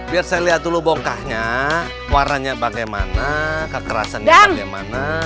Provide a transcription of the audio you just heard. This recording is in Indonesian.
biar saya lihat dulu bongkahnya warnanya bagaimana kekerasannya bagaimana